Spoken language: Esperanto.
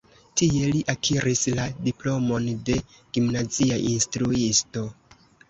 Tie li akiris la diplomon de gimnazia instruisto.